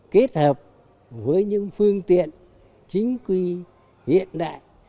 kết hợp với những phương tiện chính quy hiện đại